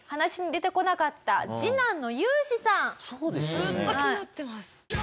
ずっと気になってます。